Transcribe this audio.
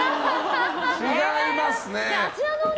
違いますね。